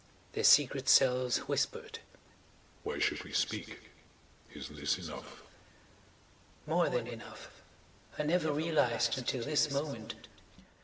Their secret selves whispered: "Why should we speak? Isn't this enough?" "More than enough. I never realized until this moment